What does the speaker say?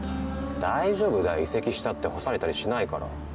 大丈夫だよ移籍したって干されたりしないから。